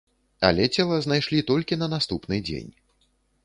Але цела знайшлі толькі на наступны дзень.